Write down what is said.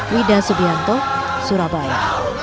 widah subianto surabaya